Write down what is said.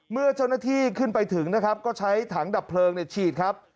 เมื่อเจ้าหน้าที่ขึ้นไปถึงนะครับก็ใช้ถังดับเพลิงฉีดครับ